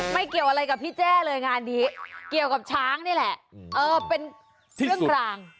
เกี่ยวอะไรกับพี่แจ้เลยงานนี้เกี่ยวกับช้างนี่แหละเออเป็นเครื่องราง